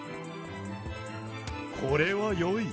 これはよい！